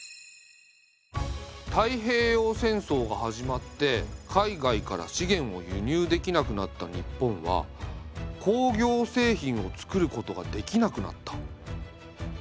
太平洋戦争が始まって海外から資源を輸入できなくなった日本は工業製品を作ることができなくなった。